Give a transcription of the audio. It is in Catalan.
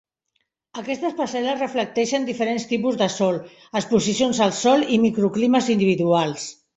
Aquestes parcel·les reflecteixen diferents tipus de sòl, exposicions al sol i microclimes individuals.